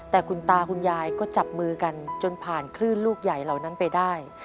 แต่คุณตาคุณยายก็จับมือกันจนผ่านคลื่นลูกใหญ่เหล่านั้นไปได้